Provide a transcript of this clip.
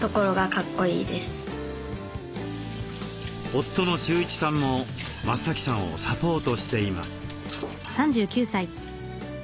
夫の秀一さんも増さんをサポートしています。